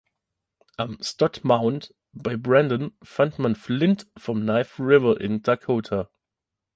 Am "Stott Mound" bei Brandon fand man Flint vom Knife River in Dakota.